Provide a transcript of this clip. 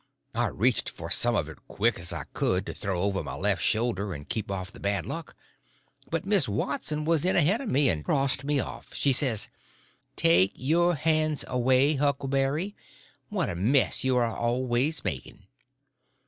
I reached for some of it as quick as I could to throw over my left shoulder and keep off the bad luck, but Miss Watson was in ahead of me, and crossed me off. She says, "Take your hands away, Huckleberry; what a mess you are always making!"